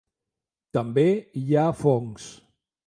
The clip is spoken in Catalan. També hi ha fongs.